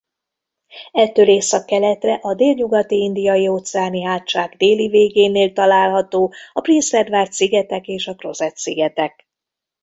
Ettől északkeletre a Délnyugati-indiai-óceáni-hátság déli végénél található a Prince Edward-szigetek és a Crozet-szigetek.